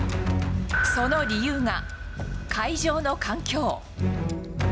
その理由が会場の環境。